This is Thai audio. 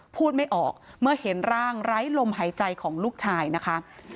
พูดไม่ออกเมื่อเห็นร่างไร้ลมหายใจของลูกชายนะคะ